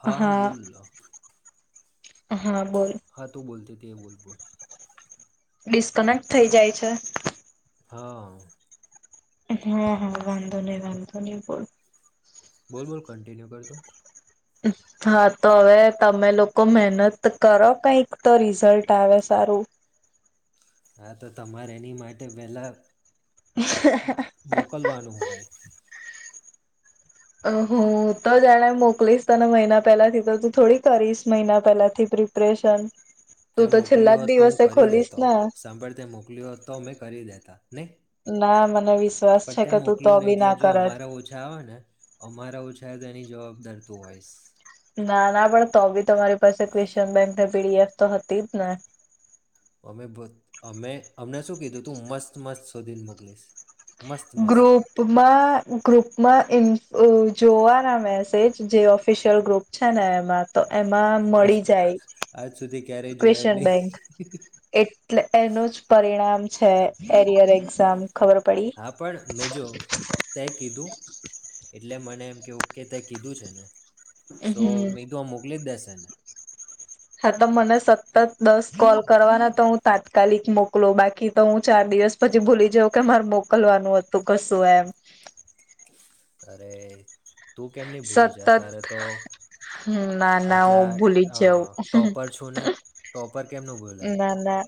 હા હા બોલ લ. હા બોલ હા તુ બોલતી હતી. તે બોલ બોલ. ડિસ્કનેક્ટ થઈ જાય છે. હા. હા હા વાંધો નહી વાંધો નહીં બોલ. બોલ બોલ કન્ટિન્યુ કર તું. હા તો હવે તમે લોકો મહેનત કરો કઈક તો રિઝલ્ટ આવે સારું. હા તો તમારે એની માટે વહેલા મોકલવાનું હોય. હુ તો જાણે મોકલીશ તને મહિના પહેલા થી તો તું થોડી કરીશ મહિના પહેલાથી પ્રિપરેશન. તે તું તો છેલ્લા મોકલ્યુ જ હતું હું દિવસે કરી ખોલીશ દેતો ને સાંભળી તે મોકલ્યો હતો મે કરી દેતા નહી. ના મને વિસ પણ તે મોકલ્યું નહી એટલે જો અમારા ઓછા આવે ને અમારા ઓછા. જા તારી જવાબદારતું હોઈશ. ના ના પી ડી એફ તો હતી જ ને. અમે અમે અમને શું કીધું તું મસ્ત મસ્ત શોધીને મોકલીશ. મસ્ત મસ્ત ગ્રુપમાં ગ્રુપમાં ઇન અ જોવાના મેસેજ જે ઓફિશિયલ ગ્રુપ છે ને એમાં તો એમાં મળી જાય આજ સુધી ક્યારેય જોયા જ ક્વેશન નહીં બેંક એટલે એનું જ પરિણામ. છે એરિયર એક્ઝામ ખબર પડી. હા પણ મેં જો તે કીધું. એટલે મને એમ કેવું કે તે કીધું છે ને. સો હમ મેક્યું આ મોકલી દેશે. હા તો મને સતત દસ કોલ કરવાના તો હું તાત્કાલિક મોકલો બાકી તો હું ચાર દિવસ પછી ભૂલી જાઉં કે મારે મોકલવાનું હતું કશું એમ. અરે. તું કેમની ભૂલી જ સતત ત્યારે તો ના ના આટલા હું ભૂલી જ અ જાઉં ટોપર છું ને ટોપર કેમનું ભૂલાય. ના ના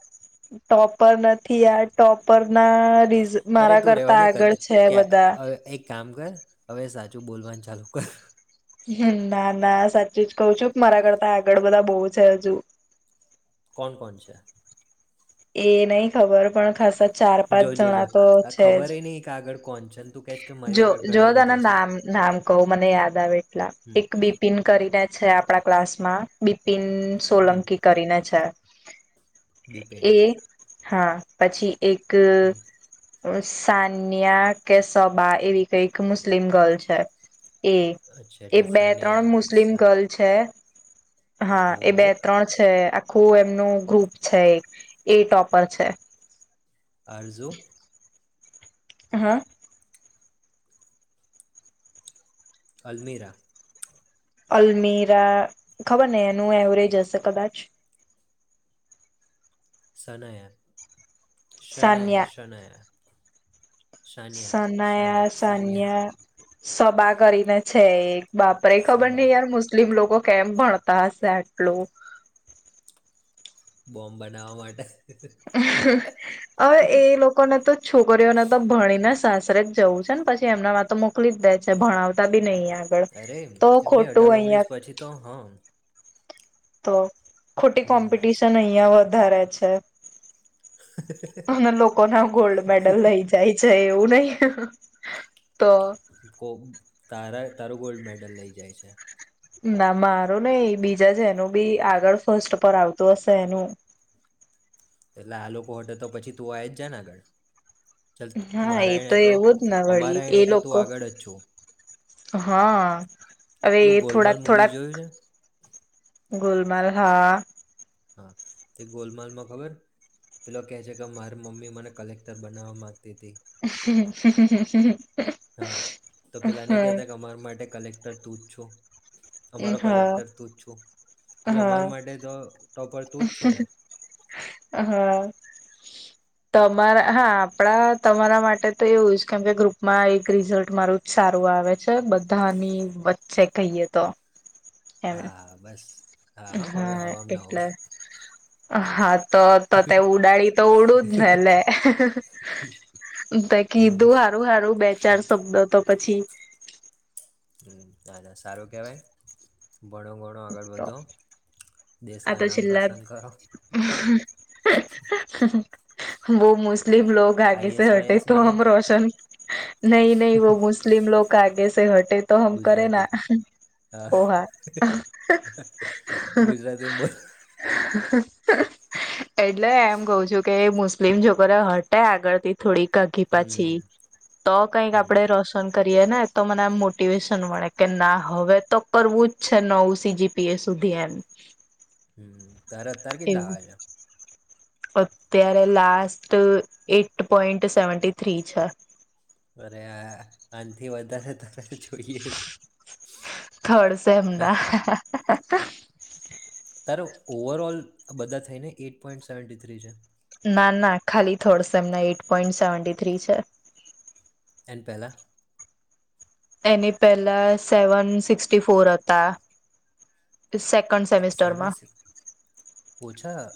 ટોપર નથી આ ટોપર. ના ર અરે મારા તું રહેવા કરતા દે આગળ કદ છે કે બધા. હવે એક કામ કર હવે સાચું બોલવાનું ચાલુ કર. હમ્મ ના ના સાચું જ કઉ છું મારા કરતા આગળ બધા બહવ છે હજુ. કોણ કોણ છે? એ નહી ખબર પણ ખાસા ચાર પાંચ જો જો જણા જો તો આ છે ખબર જ હ નહ કે આગળ કોણ છે. ને તું કહેશ કે મારી જો આગળ જો ઘણા તને બધા છે નામ નામ કહું મને યાદ આવે એટલા હમ એક બિપિન કરીને. છે આપણા ક્લાસ માં બિપિન સોલંકી કરીને છે. બીપિન એ હા પછી. એક. સાન્યા. કે સબા એવી કઈક મુસ્લિમ ગલ છે. એ અચ્છા એ એટલે બે ત્રણ સાનિયા મુસ્લિમ સાન ગર્લ છે. હા એ બે ઓહો ત્રણ છે. આખું એમનું ગ્રુપ છે એ ટોપર છે. આરઝુ હા. અલ્મેરા. અલમીરા ખબર ને એનું એવરેજ હશે કદાચ. સનાયા શનયા શનયા. સનયા શાનિયા સાનિયા સન્યા. સબા કરીને છે એક. બાપરે ખબર સબા નહીયાર મુસ્લિમ લોકો. કેમ ભણતા હશે આટલું. બોમ્બ બનાવવા માટે. [inaudible] હવે એ લોકોને તો છોકરીઓને તો ભણીને સાસ ખરે જવું છે ને પછી એમનામાં તો મોકલી જ દે છે ભણાવતા બી નહીં. અરે એમને અઢાર ઓગણીસ પછી તો હા. તો ખોટી હમ કોમ્પિટિશન અહીંયા વધારે વધારે છે. અને લોકોને ગોલ્ડ મેડલ લઈ જાય છે. એવું નહી. તો કો. તારા તારું ગોલ્ડ મેડલ લઈ જાય છે. ના મારું નહિ બીજા જેનું બી આગળ ફર્સ્ટ પર આવતું હશે એનું. એટલે આ લોકો હટે તો પછી તું આઇ જ જાયને. ચાલ હા એ મારા એણે તો એવું જ ના વળી અમારા એ એણે તો તું લોકો આગળ જ છું. હા. હવે પેલું એ ગોલમાલ થોડાક મૂવી થોડાક જોયું છે ગોલ. માલ હા. હા તે ગોલમાલ માં ખબર પેલો કેહે છે કે મારી મમ્મી મને કલેક્ટર બનાવા માંગતી હતી. [unintelligible] હા તો પેલા નઈ કેતા કે અમારા માટે કલેક્ટર તું. પૂછો. અમારો હા હા કલેક્ટર તું જ છું એટલે અમાર હા માટે તો. ટોપર તું જ છું ને હા. તમારા હા આપણા તમારા માટે તો એવું જ કેમ કે ગ્રુપમાં એક રિઝલ્ટ મારું જ સારું આવે છે બધાની વચ્ચે કહીએ તો. એમ હા બસ. હવે હા હવામાં ના એટલે. આવડ હા. તો તો તે ઉડાડી તો ઉડું જ ને લે હમ કીધું હારું હારું બે ચાર શબ્દ તો. પછી. હાા સારું કેવાય. ભણો ઘણો આગળ વધો. દેશ આ કા તો નામ છેલા. રોશન કરો [inaudible] બહુ મસ્ત મુસ્લિમ લોકો આગેસે આઈએસ હટે વાયએસ તો બનો હમ રોશન. નહી નહી વ મુસ્લિમ લોકો આગેસે હટે તો હમ કરે ગુજરાતી ના હા ઓહા. એમ બોલ હ. [inaudible] એટલે એમ કઉ છુ કે મુસ મુસ્લિમ જબરા હટે આગળ થી. થોડી આઘી પાછી હમ તો કઈક હમ આપડે રોસન. કરીએ ને તો મને એમ મોટિવેશન મળે કે ના હવે તો કરવું જ છે નવ સીજીપીએ સુધી એમ. હમ તારે અત્યારે કેટલા એવું આવે છે. અત્યારે last eight point seventy three છે. અરે આ આનથી વધારે ત થર્ડ સેમ છે ના [unintelligible] તારે ઓવરઓલ બધા થઈને એઈટ પોઈન્ટ સેવન્ટી થ્રી છે. ના ના ખાલી થર્ડ સેમના એઈટ પોઈન્ટ સેવન્ટી થ્રી છે. એન્ડ પહેલા એની પહેલા સેવન સિક્સટી ફોર હતા સેકંડ સેમસ્ટર માં.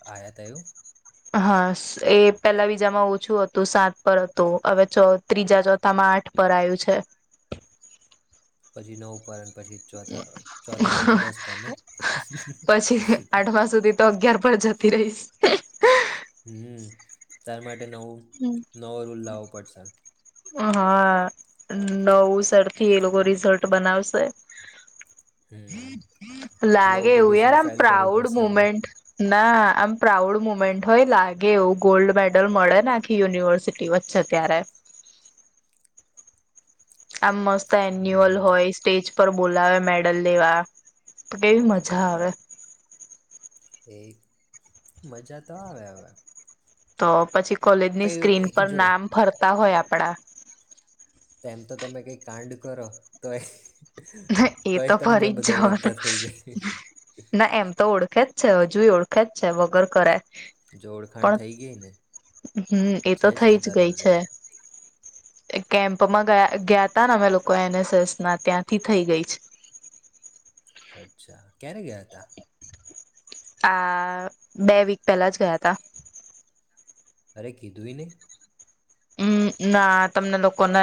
આયાત એમ હા એ પેલા બીજામાં ઓછું હતું સાત પર હતું હવે ત્રીજા ચોથામાં આઠ પર આવયું છે. પંછું નવ પરત. ને પછી આઠમા સુધી તો અગયાર પણ જતી રહીશ. હમ તાર માટે. માટે નવું હમ. નવો રૂલ લાવવો પડશે. હા નવસર થી એ લોકો રિઝલ્ટ બનાવશે. હમ નવું લાગે એવું પિટિશન યાર આમ ફાઇલ કરવું પ્રાઉડ પડશે એમને મુમેન્ટ. ના આમ પ્રાઉડ મુમેન્ટ હોય લાગે એવું ગોલ્ડ મેડલ મળે ને. આખી યુનિવર્સિટી વચ્ચે ત્યારે. આમ મસ ત એન્યુઅલ હમ હોય સ્ટેજ પર બોલાવે મેડલ લેવા, તો કેવી મજા આવે. એ મજા તો આવે હવે. તો પછી કોલેજની સ્ક્રીન કઈ પર જો નામ ફરતા હોય આપડા. એમ તો તમે કઈ કાંડ કરો તો ના એ તો ફરી જ જવાનું, થઈ જાય ના એમ તો ઓળખ ખે જ છે હવે, જોયુ ઓળખે જ છે વગર કરે. જો ઓળખાણ પણ થઈ ગઈ ને હમ્મ એ તો છે થઈ ને તાર જ ગઈ છે, ઓલરેડી એ કેમ્પમાં ગયા ગયા ના-ના અમે લોકો એન એસ એસ ના ત્યાં થી થઈ ગઈ છે. અચ્છા. ક્યારે ગયા હતા? આ બે વીક પહેલા જ ગયા તા. અરે કીધુંઈ નહીં. અમ ના તમને લોકોને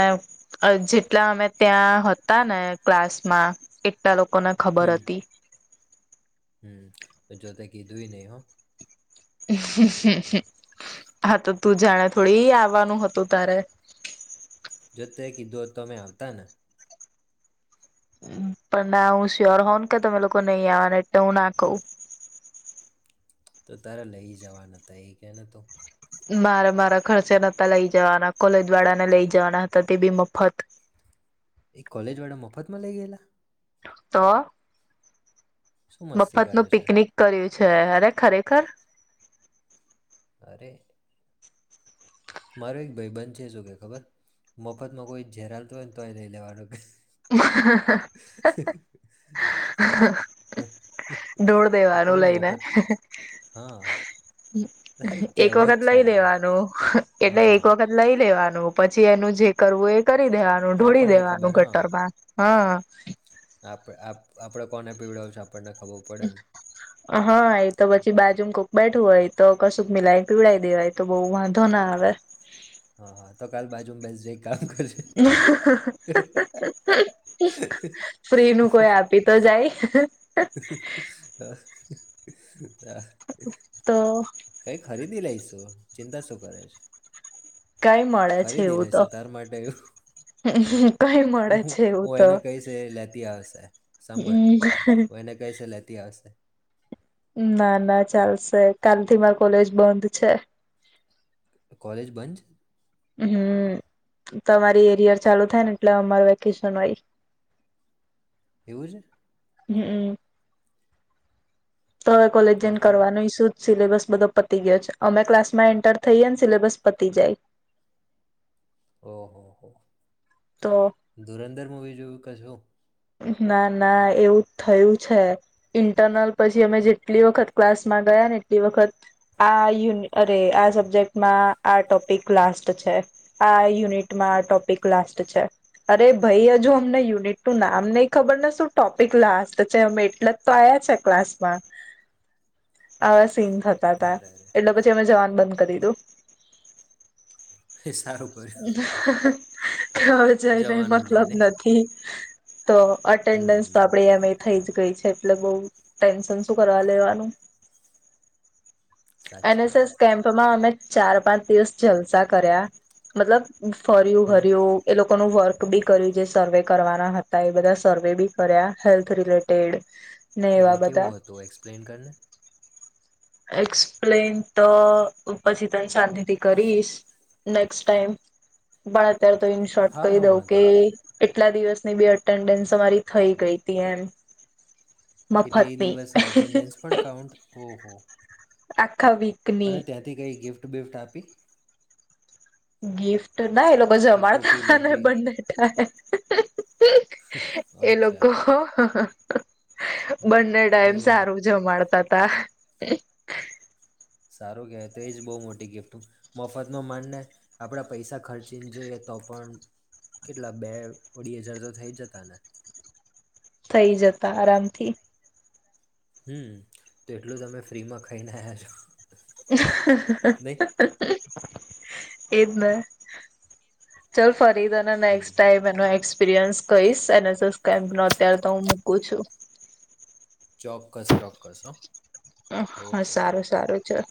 અહ જેટલા અમે ત્યાં હતા ને ક્લાસમાં એટલા લોક કોને ખબર હતી. હમ્મ જોતે કીધુંય નહીં હો. હા તો તું જાણે થોડી આવવાનું હતું તારે. જો તે કીધું હોત તો અમે આવતા ને. પણ ના હું સ્યોર હોઉ ને કે તમે લોકો નહીં આવવાના એટલે હું ના કવ. ઈ તો તારે લઈ જાવા નોતા ઈ કે ને તું. મારે મારા ખર્ચે નોતા લઈ જાવાના કોલેજ વાળા ને લઈ જવાના હતા તે બી મફત. એ કોલેજ વાળા મફત માં લઇ ગયેલા? તો. શું મસ્તી મફત કરે નું છે પિકનિક કર્યું છે. અરે ખરેખર. એ મારો એક ભાઈ બંધ છે શું કે ખબર મફતમાં કોઈ ઝેર આલ તો હોય ને તોય નઈ લેવાનો. દોઢ બે કે વારુ તમે લઈને, મફત હા હા, એ એક વખત કહેવત છે લઈ આ. લેવાનું, એટલે એક હા વખત લઈ લેવા નું પછી એનું જે કરવું એ કરી દેવાનું, એ ઢોળી આપણને દેવાનું ગટરમાં. હા. આપડ, આપ આપડે કોને પીવડાવું છે એમ. હા એ તો પછી બાજુમાં કોક બેઠું હોય તો કશુંક મિલાય પીવડાઈ દેવાય તો બહુ વાંધો ના આવે. હા, હા તો કાલ બાજુ બેસ જે ફ્રી નું કોઈ આપી તો જાય. હા [inaudible] તો. કઈ ખરીદી લઈશું, ચિંતા શું કરે છે. કઈ મળે છે ખરીદી એવું તો લેશે તાર માટે, કઈ મળે છે એવું હું તો એને કહીશ એ લેતી આવશે સાંભળ, હમ હું એને કહીશ એ લેતી ત્યાં આવસે. ના ના ચાલશે કાલથી મારું કોલેજ બંધ છે. કોલેજ બંધ છે? હમ્મ તમારો એરીયા ચાલુ થાય એટલે અમારું વેકેશન હોય. એવું છે? હમ્મ. તો હવે કોલેજ તો જઈ ને તો કરવાનું ઈ શું? સિલેબસ બધો પતી ગયો છે અમે ક્લાસમાં એન્ટર થઈએ ને સિલેબસ પતી જાય. ઓ હો હો. તો ધુરંધર મુવી જોયું કે શું? ના ના એવું થયું છે. ઈન્ટરનલ પછી અમે જેટલી વખત ક્લાસમાં ગયા ને એટલી વખત આ યુન અરે આ સબ્જેક્ટમાં આ ટોપિક લાસ્ટ છે. આ યુનિમા આટોપી લાસ્ટ છે અરે ભાઈ હજુ અમને યુનિટનું નામ એમને ઈ ખબર ને શું ટોપિક લાસ્ટ છે અમે એટલે જ તો આયા છે ક્લાસમાં. આવા સીન થતા તા અરે અરે એટલે પછી અમે જવાનુ બંધ. કરદીધું. એ સારું કર્યું થ જય ને જવાનું જ નહીં મતલબ ને નથી. તો અટેન્ડન્સ તો હમ આપડે અમે થઈજ. ગઈ છે એટલે બઉ ટેન્શન શું કરવા લેવાનું. એન સાચી એસ એસ વાત કેમ્પમાં અમે ચાર પાંચ દિવસ જલસા કર્યા. મતલબ. ફર્યું હમ ઘર્યું એ લોક કો નું વર્ક બી કર્યું જે સર્વે કરવાના હતા એ બધા સર્વે બી કર્યા હેલ્થ રિલેટેડ ને એવા એટલે બધા કેવું હતું એક્સપ્લેન કરીને. એક્સપ્લેન તો પછી તને સાતિથી કરીશ નેક્સ્ટ ટાઈમ બટ અત્યારે તો ઇન શોર્ટ હા કહી હા દઉં કે વાંધો નહીં એટલા દિવસની બે અટેન્ડન્સ અમારી થઈ ગઈ હતી એમ. એટલે એ મફતની દિવસની એટેન્ડન્સ પણ કાઉન્ટ, ઓહો! આ અને ત્યાંથી કઈ ગિફ્ટ બિફ્ટ આપી. ગિફ્ટ ના એ લોકો જમાડતા ટોપી હતા ને વોપી બંને ટાઈમ એ અચ્છા લોકો ન- બંને ટાઈમ નહીં આ સારું જમાડતા. તા સારું કેહેવાય તો એજ બહુ મોટી ગિફ્ટ મફત ન માનને આપડા પૈસા ખર્ચીને જોઈએ તો પણ કેટલા બે અઢી હજાર તો થઈ જતા ને. થઈ જતા આરામથી. હમ્મ તો એટલું જ અમે ફ્રીમાં ખઈને આયા છો. નહીં [inaudible] એજ ને ચલ ફરી તને નેક્સ હમ ટાઈમ એનો એક્સ એક્સપિરયન્સ કહીશ એન એસ એસ કેમ્પ નો અત્યારે તો હું મૂકું છું. ચોક્કસ ચોક્કસ હ. હા, સારું સારું. ચલ.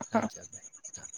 હ હા, ચાલ બાય. [inaudible]